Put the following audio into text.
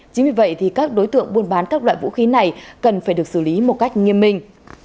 chính vì vậy thì các đối tượng buôn bán các loại vũ khí này cần phải được xử lý một cách nghiêm minh